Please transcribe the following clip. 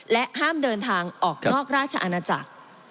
ห้ามเดินทางออกนอกราชอาณาจักร